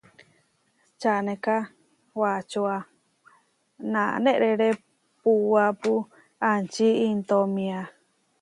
Čanéka wačóa nanerépuapu aʼčí intómia.